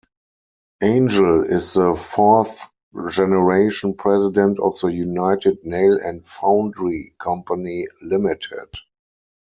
Angel is the fourth-generation president of the United Nail and Foundry Company Limited.